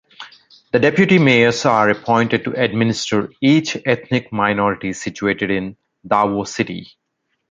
The deputy mayors are appointed to administer each ethnic minorities situated in Davao City.